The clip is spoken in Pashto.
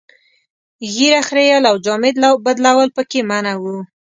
ږیره خرییل او جامې بدلول پکې منع وو.